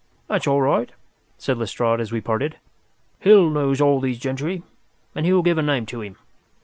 "That's all right," said Lestrade, as we parted. "Hill knows all these gentry, and he will give a name to him.